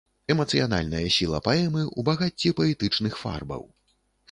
Эмацыянальная сіла паэмы ў багацці паэтычных фарбаў.